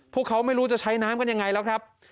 พวกเขาไม่รู้จะใช้น้ำกันยังไงแล้วครับ